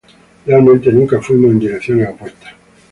Realmente, nunca fuimos en direcciones opuestas.